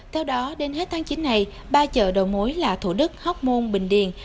theo đó đến hết tháng chín này ba chợ đầu mối là thủ đức hóc môn bình điền